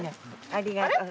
ありがとう。